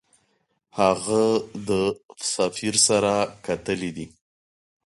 هغه د سفیر سره کتلي دي.